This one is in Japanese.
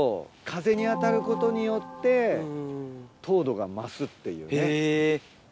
風に当たることによって糖度が増すっていうね。